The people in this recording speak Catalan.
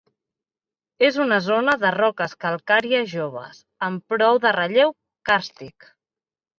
És una zona de roques calcàries joves, amb prou de relleu càrstic.